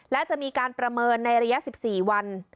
และจะมีการประเมินในระยะ๑๔วัน